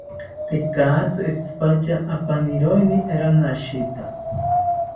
Tekatzi itzipatya apaniroeni ranashita